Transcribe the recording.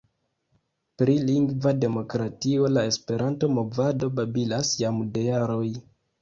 Pri lingva demokratio la Esperanto-movado babilas jam de jaroj.